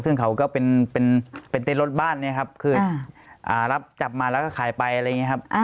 ซึ่งเขาก็เป็นเต้นรถบ้านเนี่ยครับคือรับจับมาแล้วก็ขายไปอะไรอย่างนี้ครับ